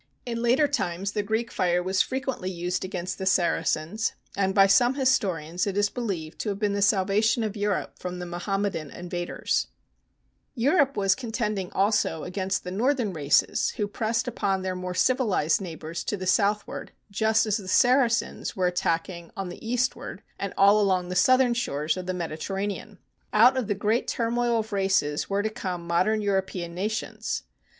In later times the Greek fire was fre quently used against the Saracens, and by some his torians is believed to have been the salvation of Europe from the Mohammedan invaders. [ 145] THE BOOK OF FAMOUS SIEGES Europe was contending also against the northern races who pressed upon their more civilised neigh bours to the southward just as the Saracens were attacking on the eastward and all along the south ern shores of the Mediterranean. Out of the great turmoil of races were to come modern European nations.